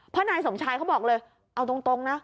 เพราะนายสมชายเขาบอกเลยเอาตรงนะ